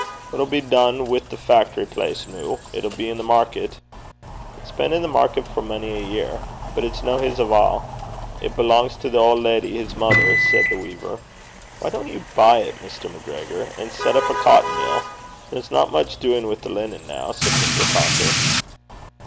'What'll be dune wi' that factory place, noo? It'll be i' the market?' 'It's been i' the market for mony a year. But it's no his ava. It belangs to the auld leddy, his mither,' said the weaver. 'Why don't you buy it, Mr. MacGregor, and set up a cotton mill? There's not much doing with the linen now,' said Mr. Cocker.